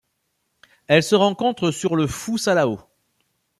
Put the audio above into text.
Elle se rencontre sur le Phou Salao.